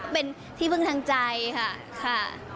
เป็นที่ฟึงทางใจค่ะ